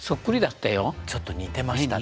ちょっと似てましたね。